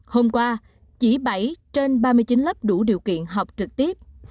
hôm qua chỉ bảy trên ba mươi chín lớp đủ điều kiện học trực tiếp